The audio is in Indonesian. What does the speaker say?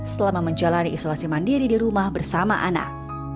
selama menjalani isolasi mandiri di rumah bersama anak